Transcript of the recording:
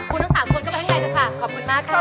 คุณทั้งสามคนก็ไปให้ไงด้วยค่ะขอบคุณมากค่ะ